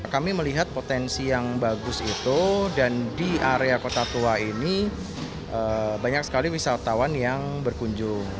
kami melihat potensi yang bagus itu dan di area kota tua ini banyak sekali wisatawan yang berkunjung